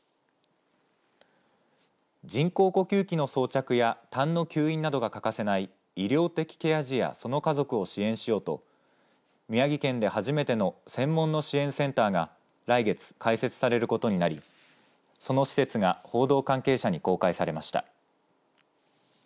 人工呼吸器の装着やたんの吸引などが欠かせない医療的ケア児やその家族を支援しようと宮城県で初めての専門の支援センターが来月、開設されることになりその施設が報道関係者に公開されました。